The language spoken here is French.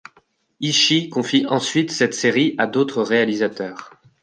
Ishii confie ensuite cette série à d'autres réalisateurs.